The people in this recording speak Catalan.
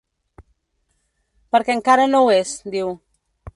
Perquè encara no ho és, diu.